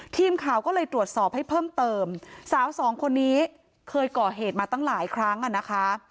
ทีมข่าวก็เลยตรวจสอบให้เพิ่มเติมสาวสองคนนี้เคยก่อเหตุมาตั้งหลายครั้งอ่ะนะคะ